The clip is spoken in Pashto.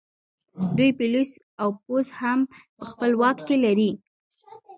دوی پولیس او پوځ هم په خپل واک کې لري